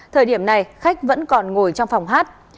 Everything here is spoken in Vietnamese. thời điểm này khách vẫn còn ngồi trong phòng hát